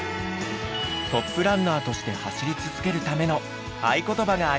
トップランナーとして走り続けるための愛ことばがあります。